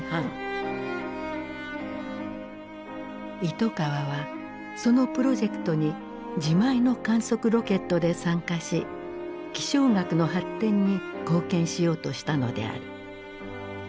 糸川はそのプロジェクトに自前の観測ロケットで参加し気象学の発展に貢献しようとしたのである。